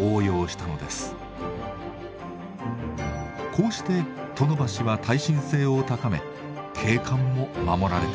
こうして殿橋は耐震性を高め景観も守られたのでした。